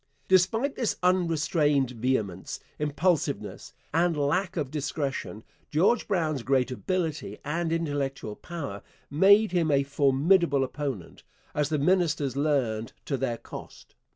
Despite this unrestrained vehemence, impulsiveness, and lack of discretion, George Brown's great ability and intellectual power made him a formidable opponent, as the ministers learned to their cost.